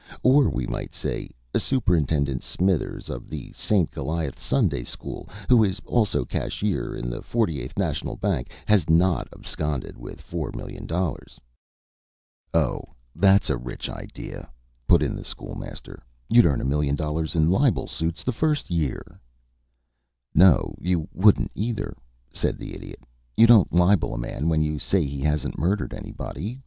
Or we might say, 'Superintendent Smithers, of the St. Goliath's Sunday school, who is also cashier in the Forty eighth National Bank, has not absconded with $4,000,000.'" [Illustration: "SUPERINTENDENT SMITHERS HAS NOT ABSCONDED"] "Oh, that's a rich idea," put in the School Master. "You'd earn $1,000,000 in libel suits the first year." "No, you wouldn't, either," said the Idiot. "You don't libel a man when you say he hasn't murdered anybody.